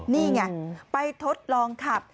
นี่ไงไปทดลองขับ